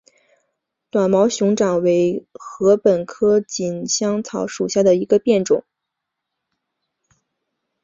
短毛熊巴掌为禾本科锦香草属下的一个变种。